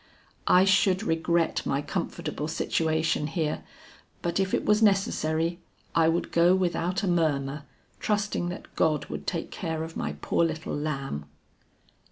"I should regret my comfortable situation here, but if it was necessary, I would go without a murmur, trusting that God would take care of my poor little lamb."